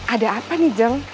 ada apa nih jeng